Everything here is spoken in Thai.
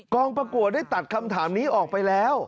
ประกวดได้ตัดคำถามนี้ออกไปแล้ว